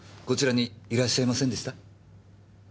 こちらにいらっしゃいませんでした？